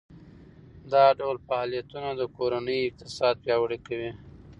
دا ډول فعالیتونه د کورنۍ اقتصاد پیاوړی کوي.